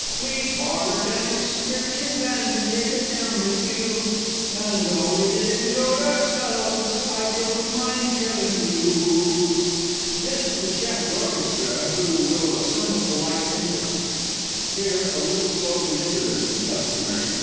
We borrered an excursion van to take us down to Kew, And oh, we did enjoy ourselves! I don't mind telling you. [This to the Chef d'Orchestre, who will assume a polite interest. [_Here a little spoken interlude is customary.